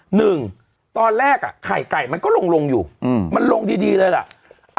หนึ่งตอนแรกอ่ะไข่ไก่มันก็ลงอยู่มันลงดีเลยล่ะ